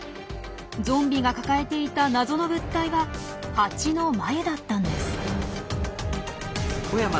ゾンビが抱えていた謎の物体はハチの繭だったんです。